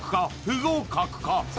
不合格か？